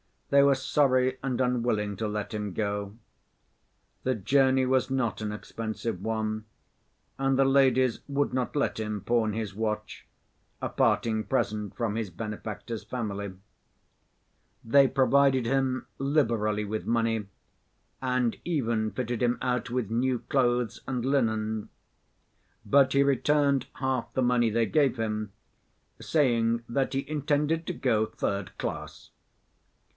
They were sorry and unwilling to let him go. The journey was not an expensive one, and the ladies would not let him pawn his watch, a parting present from his benefactor's family. They provided him liberally with money and even fitted him out with new clothes and linen. But he returned half the money they gave him, saying that he intended to go third class.